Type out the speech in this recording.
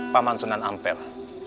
paman sunan ampel